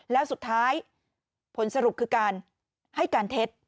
แล้วสุดท้ายผลสรุปคือการให้การเท็จ